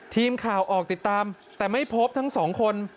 ทีมข่าวออกติดตามแต่ไม่พบทั้งสองคน